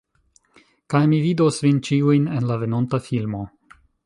Kaj mi vidos vin ĉiujn, en la venonta filmo